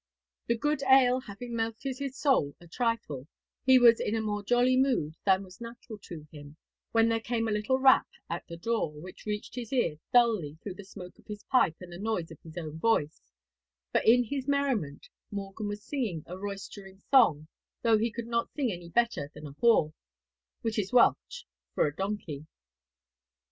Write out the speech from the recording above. The good ale having melted his soul a trifle, he was in a more jolly mood than was natural to him, when there came a little rap at the door, which reached his ear dully through the smoke of his pipe and the noise of his own voice for in his merriment Morgan was singing a roystering song, though he could not sing any better than a haw which is Welsh for a donkey.